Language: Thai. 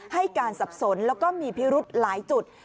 ให้การสับสนแล้วก็มีพิรุธหลายจุด